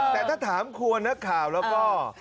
แต่ถ้าถามครัวนักข่าวแล้วก็